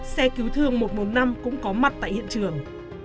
xe cứu thương một trăm một mươi năm cũng có mặt tại hiện trường